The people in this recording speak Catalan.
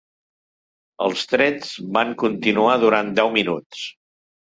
Els trets van continuar durant deu minuts.